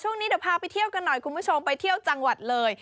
ช่วงนี้เดี๋ยวพาไปเที่ยวกันหน่อยคุณผู้ชมไปเที่ยวจังหวัดเลย